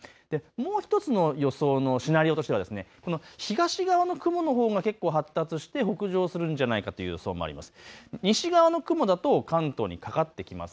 もう１つの予想のシナリオとしてはこの東側の雲のほうが結構発達して北上するんじゃないかという予想もあります。